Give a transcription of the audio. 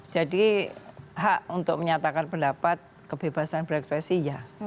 jadi hak untuk menyatakan pendapat kebebasan berekspresi ya